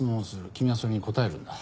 君はそれに答えるんだ。